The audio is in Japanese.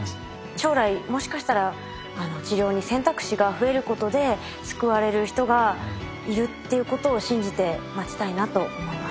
将来もしかしたら治療に選択肢が増えることで救われる人がいるっていうことを信じて待ちたいなと思います。